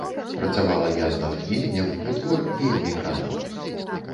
Працавала я з натхненнем, бо твор вельмі кранаў.